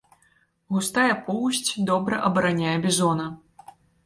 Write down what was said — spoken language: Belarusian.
Густая поўсць добра абараняе бізона.